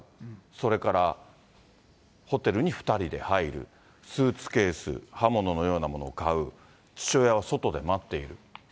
それからホテルに２人で入る、スーツケース、刃物のようなものを買う、父親は外で待っている。